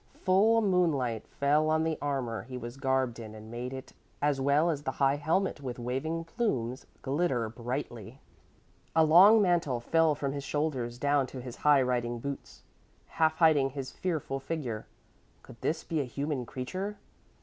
Full moonlight fell on the armor he was garbed in and made it, as well as the high helmet with waving plumes, glitter brightly. A long mantle fell from his shoulders down to his high riding boots, half hiding his fearful figure. Could this be a human creature?